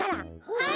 はい！